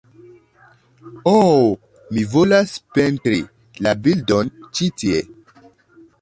"Oh, mi volas pentri la bildon ĉi tie"